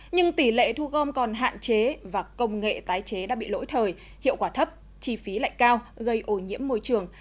nhưng tỷ lệ thu gom còn hạn chế và công nghệ tái chế đã bị lỗi thời hiệu quả thấp chi phí lại cao gây ổ nhiễm môi trường